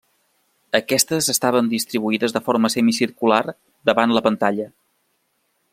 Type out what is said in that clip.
Aquestes estaven distribuïdes de forma semicircular davant la pantalla.